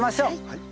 はい。